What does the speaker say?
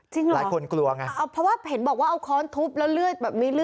จริงเหรอพอเห็นบอกว่าเอาคอร์สทุบแล้วมีเลือดร่วงแบบนี้หรือ